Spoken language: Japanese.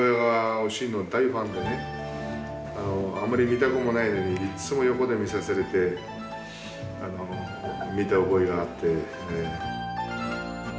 あまり見たくもないのにいつも横で見させられて見た覚えがあって。